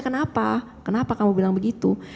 kenapa kenapa kamu bilang begitu